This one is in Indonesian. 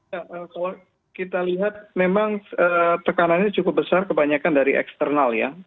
ya kalau kita lihat memang tekanannya cukup besar kebanyakan dari eksternal ya